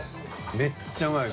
めっちゃうまい。